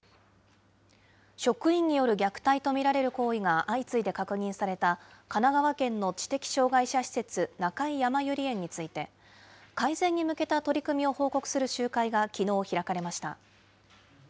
職員による虐待と見られる行為が相次いで確認された、神奈川県の知的障害者施設、中井やまゆり園について、改善に向けた取り組みを報告する集会がきのう開かれました。